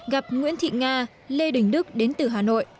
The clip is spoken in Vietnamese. gặp nguyễn thị nga lê đình đức đến từ hà nội